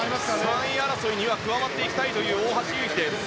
３位争いには加わっていきたい大橋悠依です。